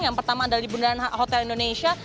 yang pertama adalah di bundaran hotel indonesia